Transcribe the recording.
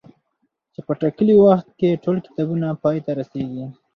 چي په ټاکلي وخت کي ټول کتابونه پاي ته رسيږي